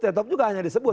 setnoff juga hanya disebut